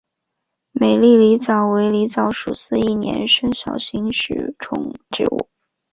美丽狸藻为狸藻属似一年生小型食虫植物。